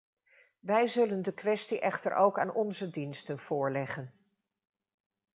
Wij zullen de kwestie echter ook aan onze diensten voorleggen.